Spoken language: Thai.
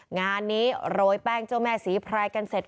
งานนี้โรยแป้งเจ้าแม่ศรีพรายกันเสร็จ